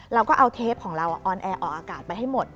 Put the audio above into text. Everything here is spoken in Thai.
เราก็เอาเทปของเราออนแอร์ออกอากาศไปให้หมด